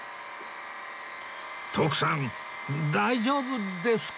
徳さん大丈夫ですか？